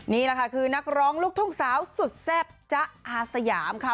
นี่แหละค่ะคือนักร้องลูกทุ่งสาวสุดแซ่บจ๊ะอาสยามค่ะ